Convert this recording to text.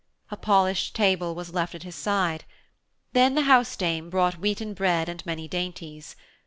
A polished table was left at his side. Then the house dame brought wheaten bread and many dainties.